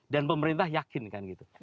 dan pemerintah yakinkan gitu